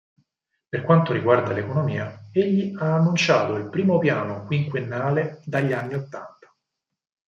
Per quanto riguarda l'economia, egli ha annunciato il primo piano quinquennale dagli anni Ottanta.